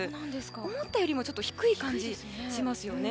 思ったよりも低い感じがしますよね。